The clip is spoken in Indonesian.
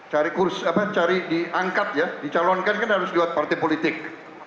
cari cari angkat ya dicalonkan kan harus buat partai politik